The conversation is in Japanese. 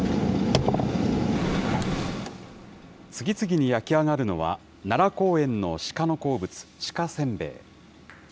次々に焼き上がるのは、奈良公園の鹿の好物、鹿せんべい。